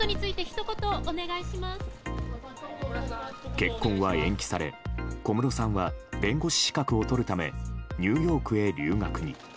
結婚は延期され小室さんは弁護士資格を取るためニューヨークへ留学に。